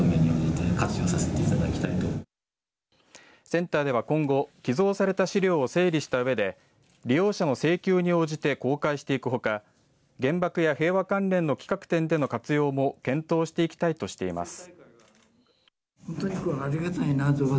センターでは今後、寄贈された資料を整理したうえで利用者の請求に応じて公開していくほか原爆や平和関連の企画展での活用も検討していきたいとしています。